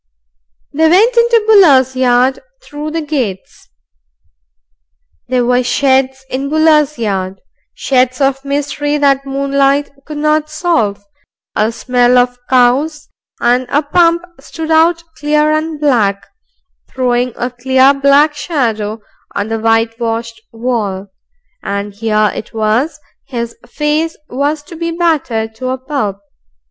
They went into Buller's yard through gates. There were sheds in Buller's yard sheds of mystery that the moonlight could not solve a smell of cows, and a pump stood out clear and black, throwing a clear black shadow on the whitewashed wall. And here it was his face was to be battered to a pulp.